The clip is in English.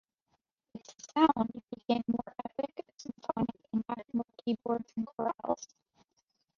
Its sound became more epic, symphonic, and added more keyboards and chorales.